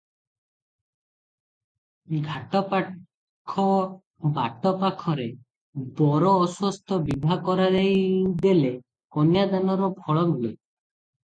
ଘାଟପାଖ ବାଟ ପାଖରେ ବର ଅଶ୍ୱତ୍ଥ ବିଭା କରାଇଦେଲେ କନ୍ୟା ଦାନର ଫଳ ମିଳେ ।